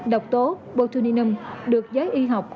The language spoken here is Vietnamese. độc tố botulinum được giấy y học